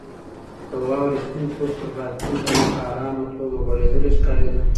د واورې سپین پوښ پر بالکن باندې په ارامه توګه غوړېدلی ښکارېده.